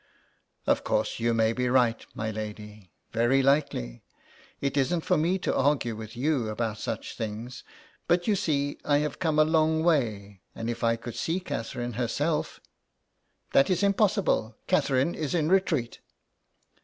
" Of course you may be right, my lady ; very likely. It isn't for me to argue with you about such things ; but you see I have come a long way, and if I could see Catherine herself "" That is impossible. Catherine is in retreat."